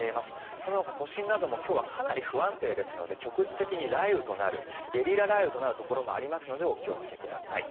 そのほか都心なども今日はかなり不安定ですので局地的に雷雨となるゲリラ雷雨となるところもありますのでお気をつけください。